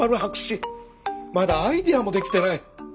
まだアイデアもできてない。